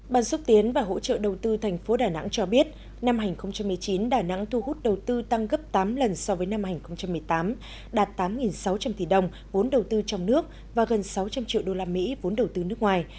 bàn xúc tiến và hỗ trợ đầu tư thành phố đà nẵng cho biết năm hai nghìn một mươi chín đà nẵng thu hút đầu tư tăng gấp tám lần so với năm hai nghìn một mươi tám đạt tám sáu trăm linh tỷ đồng vốn đầu tư trong nước và gần sáu trăm linh triệu usd vốn đầu tư nước ngoài